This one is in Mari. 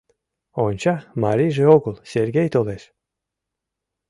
Онча — марийже огыл, Сергей толеш.